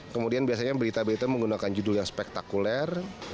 kemudian biasanya berita berita menggunakan judul yang spektakuler